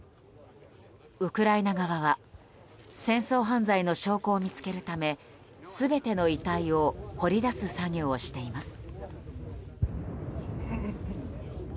ウクライナ側は戦争犯罪の証拠を見つけるため全ての遺体を掘り出す作業をしています。